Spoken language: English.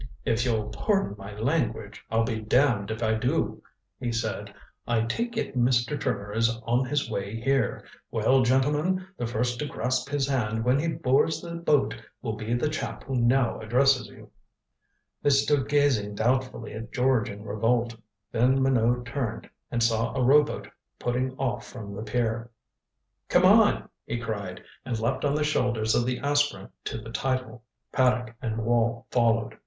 "If you'll pardon my language, I'll be damned if I do," he said. "I take it Mr. Trimmer is on his way here. Well, gentlemen, the first to grasp his hand when he boards the boat will be the chap who now addresses you." They stood gazing doubtfully at George in revolt. Then Minot turned, and saw a rowboat putting off from the pier. "Come on," he cried, and leaped on the shoulders of the aspirant to the title. Paddock and Wall followed.